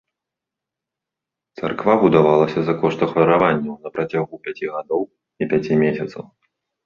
Царква будавалася за кошт ахвяраванняў на працягу пяці гадоў і пяці месяцаў.